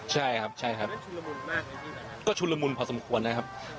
ใช่ครับใช่ครับนะครับ